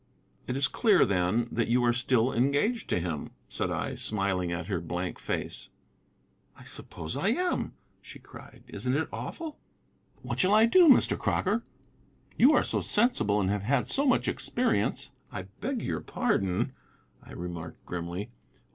"It is clear, then, that you are still engaged to him," said I, smiling at her blank face. "I suppose I am," she cried. "Isn't it awful? What shall I do, Mr. Crocker? You are so sensible, and have had so much experience." "I beg your pardon," I remarked grimly.